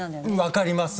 分かります。